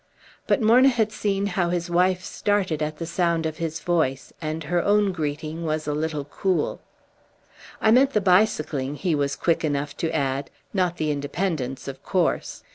But Morna had seen how his wife started at the sound of his voice, and her greeting was a little cool. "I meant the bicycling," he was quick enough to add; "not the independence, of course!"